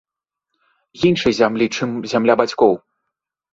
Іншай зямлі, чым зямля бацькоў.